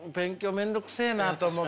面倒くせえなと思って。